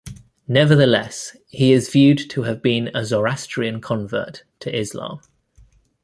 Nevertheless, he is viewed to have been a Zoroastrian convert to Islam.